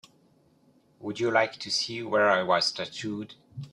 Would you like to see where I was tattooed?